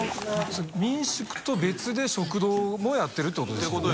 民宿と別で食堂もやってるってことですよね。